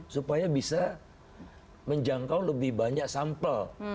supaya bisa menjangkau lebih banyak sampel